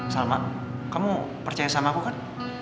salma kamu percaya sama aku kan